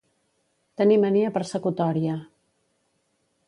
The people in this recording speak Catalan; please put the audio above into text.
Tenir mania persecutòria.